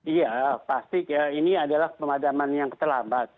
iya pasti ini adalah pemadaman yang terlambat